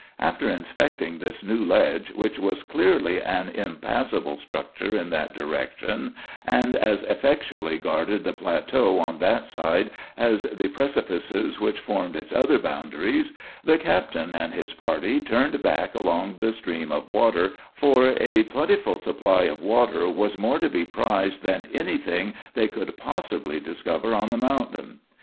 After inspecting this new ledge, which was clearly an impassable barrier in that direction, and as effectually guarded the plateau on that side as the precipices which formed its other boundaries, the captain and his party turned back along the stream of water, for a plentiful supply of water was more to be prized than anything they could possibly discover on the mountain.